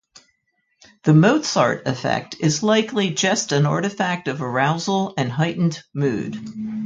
The Mozart Effect is likely just an artifact of arousal and heightened mood.